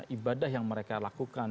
ibadah yang mereka lakukan